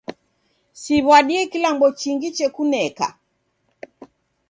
Siw'adie kilambo chingi chekuneka.